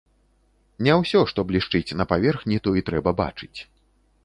Не ўсё, што блішчыць на паверхні, то і трэба бачыць.